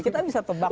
kita bisa tebak